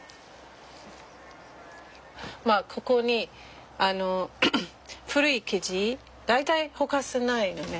まあここに古い生地大体ほかせないのね。